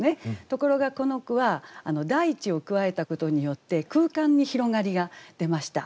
ところがこの句は「大地」を加えたことによって空間に広がりが出ました。